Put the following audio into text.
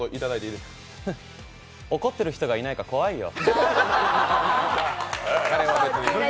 怒ってる人がいないか、怖いよ。